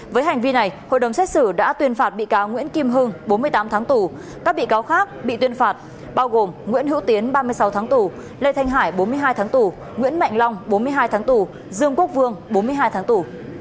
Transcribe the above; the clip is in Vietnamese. với hành vi này hội đồng xét xử đã tuyên phạt bị cáo nguyễn kim hưng bốn mươi tám tháng tù các bị cáo khác bị tuyên phạt bao gồm nguyễn hữu tiến ba mươi sáu tháng tù lê thanh hải bốn mươi hai tháng tù nguyễn mạnh long bốn mươi hai tháng tù dương quốc vương bốn mươi hai tháng tù